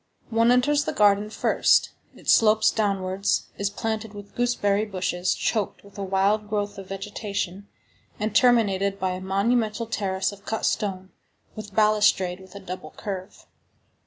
One enters the garden first. It slopes downwards, is planted with gooseberry bushes, choked with a wild growth of vegetation, and terminated by a monumental terrace of cut stone, with balustrade with a double curve.